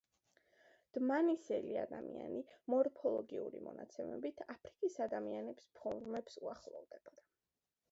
დმანისელი ადამიანი, მორფოლოგიური მონაცემებით, აფრიკის ადამიანის ფორმებს უახლოვდებოდა.